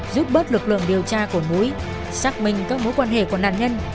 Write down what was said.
giúp bớt lực lượng điều tra của mũi xác minh các mối quan hệ của nạn nhân